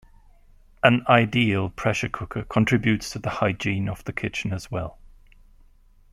An ideal pressure cooker contributes to the hygiene of the kitchen as well.